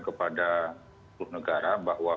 kepada sepuluh negara bahwa